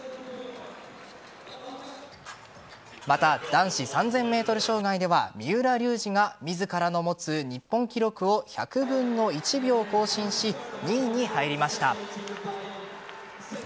また、男子３０００ｍ障害では三浦龍司が自らの持つ日本記録を１００分の１秒更新し２位に入りました。